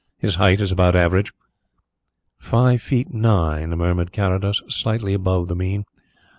His height is about average " "Five feet nine," murmured Carrados. "Slightly above the mean."